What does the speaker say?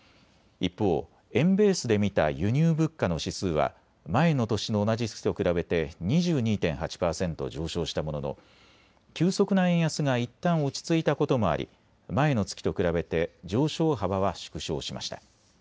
一方、円ベースで見た輸入物価の指数は前の年の同じ月と比べて２２．８％上昇したものの急速な円安がいったん落ち着いたこともあり前の月と比べて上昇幅は縮小しました。